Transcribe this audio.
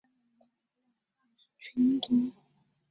此外还有笨珍培群独中。